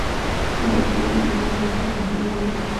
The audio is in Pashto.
ښځه د کورنۍ د یووالي لپاره مهم رول لري